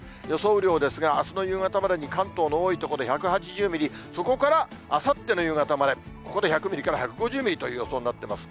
雨量ですが、あすの夕方までに関東の多い所で１８０ミリ、そこからあさっての夕方まで、ここで１００ミリから１５０ミリという予想になってます。